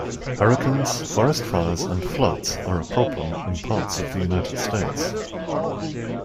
Hurricanes, forest fires and floods are a problem in parts of the United States.